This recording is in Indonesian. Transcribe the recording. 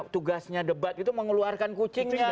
tugasnya debat itu mengeluarkan kucingnya